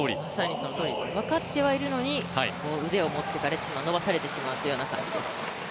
分かってはいるのに腕を持っていかれてしまう、伸ばされてしまうという感じです。